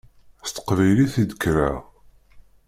S teqbaylit i d-kkreɣ.